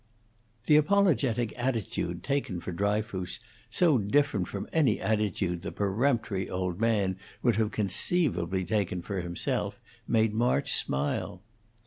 The apologetic attitude taken for Dryfoos, so different from any attitude the peremptory old man would have conceivably taken for himself, made March smile.